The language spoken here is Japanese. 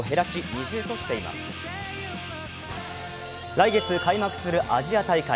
来月開幕するアジア大会。